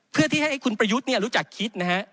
เพื่อที่ให้คุณประยุทธ์รู้จักคิดนะฮะ